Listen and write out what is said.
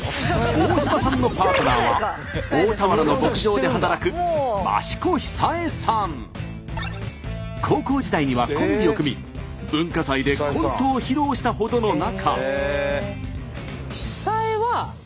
大島さんのパートナーは大田原の牧場で働く高校時代にはコンビを組み文化祭でコントを披露したほどの仲。